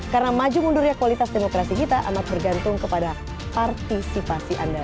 karena maju mundurnya kualitas demokrasi kita amat bergantung pada partisipasi anda